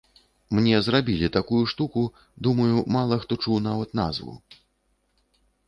Мне зрабілі такую штуку, думаю, мала хто чуў нават назву.